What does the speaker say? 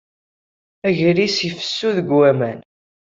Agris ifessu deg waman.